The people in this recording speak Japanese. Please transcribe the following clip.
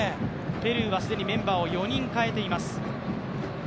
ペルーは既にメンバーを４人代えています。